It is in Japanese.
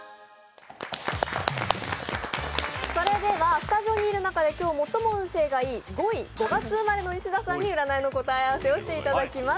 スタジオにいる中で今日、最も運勢がいい５位、５月生まれの西田さんに占いの答え合わせをしていただきます。